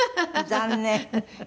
残念。